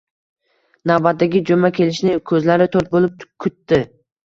Navbatdagi juma kelishini ko‘zlari to‘rt bo‘lib kutdi